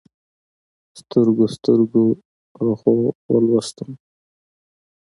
سترګو، سترګو پرخو ولوستم